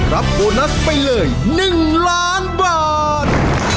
โบนัสไปเลย๑ล้านบาท